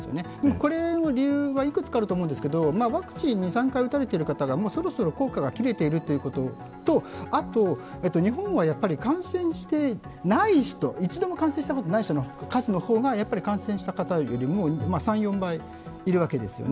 これの理由はいくつかあると思うんですけど、ワクチン２３回打たれている方がそろそろ効果が切れているということとあと、日本は感染していない人一度も感染したことのない人の数の方が感染した方の数の３４倍いるわけですよね。